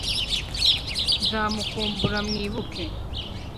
nzamukumbura mwibuke